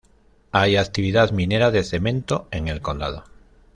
Hay actividad minera de cemento en el condado.